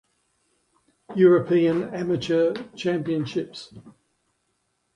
European Amateur Championships.